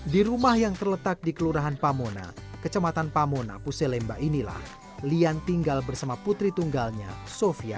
di rumah yang terletak di kelurahan pamona kecamatan pamona puselemba inilah lian tinggal bersama putri tunggalnya sofia